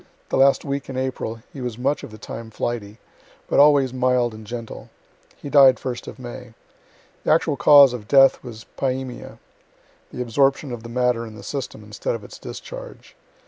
The last week in April he was much of the time flighty but always mild and gentle. He died first of May. The actual cause of death was pyaemia, (the absorption of the matter in the system instead of its discharge.)